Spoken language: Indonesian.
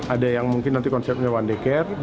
ada yang mungkin nanti konsepnya one day care